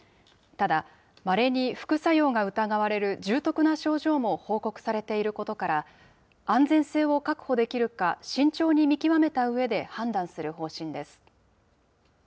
ただ、まれに副作用が疑われる重篤な症状も報告されていることから、安全性を確保できるか慎重に見極めたうえで判断する方針です。